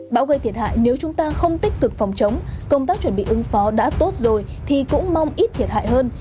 bão gây thiệt hại nếu chúng ta không tích cực phòng chống công tác chuẩn bị ứng phó đã tốt rồi thì cũng mong ít thiệt hại hơn